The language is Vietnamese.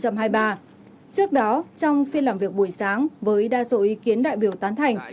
trước đó trong phiên làm việc buổi sáng với đa số ý kiến đại biểu tán thành